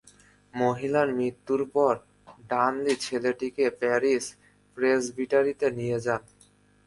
মহিলার মৃত্যুর পর, ডানলি ছেলেটিকে প্যারিশ প্রেসবিটারীতে নিয়ে যান।